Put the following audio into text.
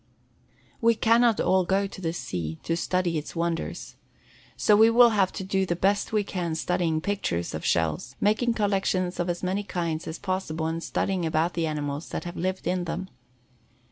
We can not all go to the sea to study its wonders. So we will have to do the best we can studying pictures of shells, making collections of as many kinds as possible and studying about the animals that have lived in them.